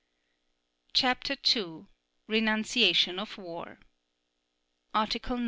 CHAPTER II. RENUNCIATION OF WAR Article 9.